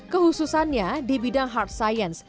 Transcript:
kehususannya di bidang hard science